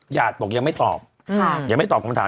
ญาติบอกยังไม่ตอบยังไม่ตอบคำถาม